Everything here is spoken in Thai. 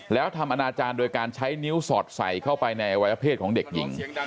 แล้วทำอนาจารย์โดยการใช้นิ้วสอดใส่เข้าไปในอวัยวเพศของเด็กหญิง